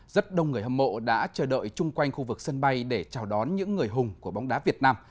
rất đông người hâm mộ đã chờ đợi chung quanh khu vực sân bay để chào đón những người hùng của bóng đá việt nam